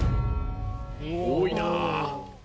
・多いな！